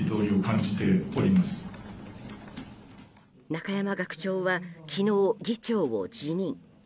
中山学長は昨日、議長を辞任。